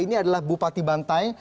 ini adalah bupati bantai